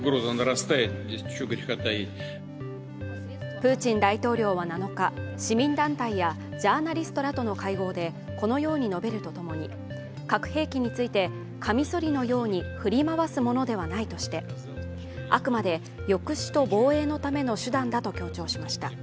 プーチン大統領は７日、市民団体やジャーナリストらとの会合でこのように述べるとともに核兵器について、カミソリのように振り回すものではないとしてあくまで抑止と防衛のための手段だと強調しました。